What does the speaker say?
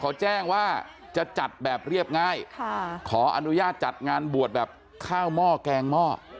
เขาแจ้งว่าจะจัดแบบเรียบง่ายขออนุญาตจัดงานบวชแบบข้าวหม้อแกงหม้อ